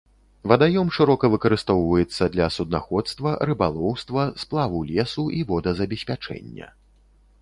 Вадаём шырока выкарыстоўваецца для суднаходства, рыбалоўства, сплаву лесу і водазабеспячэння.